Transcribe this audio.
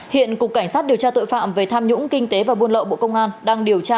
hiện cục cảnh sát điều tra tội phạm về tham nhũng kinh tế và buôn lậu bộ công an đang điều tra